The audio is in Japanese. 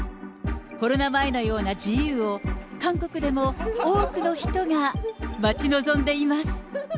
コロナ前のような自由を、韓国でも多くの人が待ち望んでいます。